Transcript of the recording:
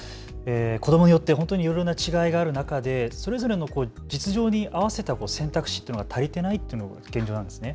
子どもによって本当にいろいろな違いがある中でそれぞれの実情に合わせた選択肢が足りてないっていうのが現状なんですね。